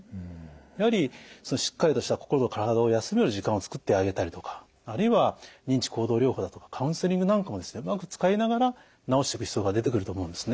やはりしっかりとした心と体を休める時間をつくってあげたりとかあるいは認知行動療法だとかカウンセリングなんかもうまく使いながら治していく必要が出てくると思うんですね。